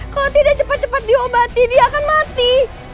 kalau tidak cepat cepat diobati dia akan mati